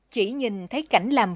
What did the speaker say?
chỉ nhìn thấy cảnh làm vườn